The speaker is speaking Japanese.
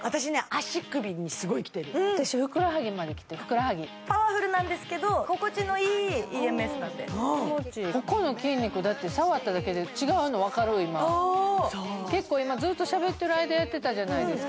足首にすごいきてる私ふくらはぎまできてるふくらはぎパワフルなんですけど心地のいいＥＭＳなんでここの筋肉だって触っただけで違うのわかる今結構今ずっとしゃべってる間やってたじゃないですか